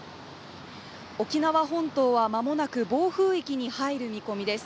沖縄本島は間もなく暴風域に入る見込みです。